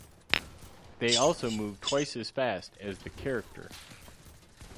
They also moved twice as fast as the character.